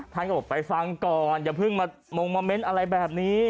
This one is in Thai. ท่านก็บอกไปฟังก่อนอย่าเพิ่งมามงมาเม้นอะไรแบบนี้